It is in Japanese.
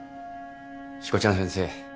しこちゃん先生